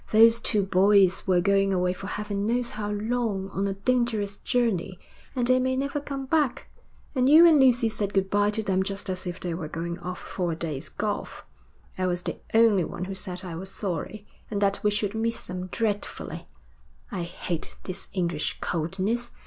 Those two boys were going away for heaven knows how long on a dangerous journey, and they may never come back, and you and Lucy said good bye to them just as if they were going off for a day's golf. I was the only one who said I was sorry, and that we should miss them dreadfully. I hate this English coldness.